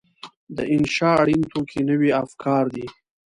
د انشأ اړین توکي نوي افکار دي.